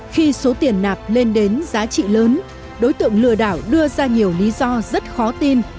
khi số tiền nạp lên đến giá trị lớn đối tượng lừa đảo đưa ra nhiều lý do rất khó tin